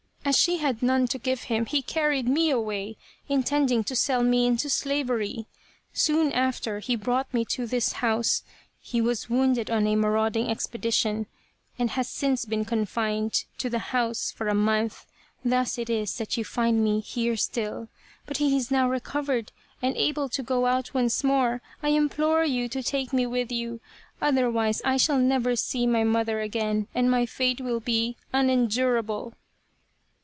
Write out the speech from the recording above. As she had none to give him he carried me away, intending to sell me into slaver}". Soon after he brought me to this house, he was wounded on a marauding expedition, and has since been confined to the house for a month. Thus it is that you find me here still. But he is now recovered and able to go out once more. I implore you to take me with you, otherwise I shall never see my mother again and my fate will be unendurable."